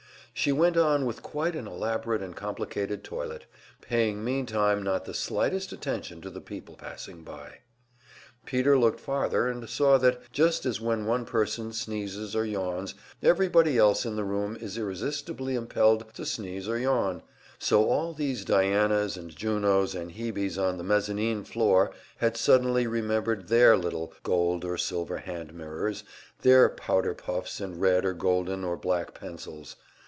She went on with quite an elaborate and complicated toilet, paying meantime not the slightest attention to the people passing by. Peter looked farther, and saw that just as when one person sneezes or yawns everybody else in the room is irresistibly impelled to sneeze or yawn, so all these Dianas and Junos and Hebes on the "mezzanine floor" had suddenly remembered their little gold or silver hand mirrors, their powder puffs and red or golden or black pencils.